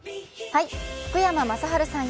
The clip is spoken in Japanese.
福山雅治さん